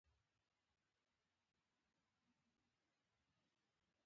دا افراد د خپلې کورنۍ د ګېډې مړولو لپاره مجبور دي